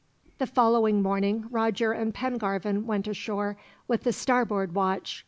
The following morning, Roger and Pengarvan went ashore with the starboard watch.